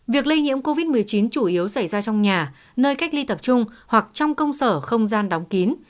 việc lây nhiễm covid một mươi chín chủ yếu xảy ra trong nhà nơi cách ly tập trung hoặc trong công sở không gian đóng kín